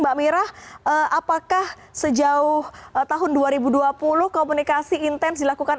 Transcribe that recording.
mbak mira apakah sejauh tahun dua ribu dua puluh komunikasi intens dilakukan